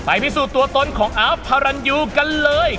พิสูจน์ตัวตนของอาฟพารันยูกันเลย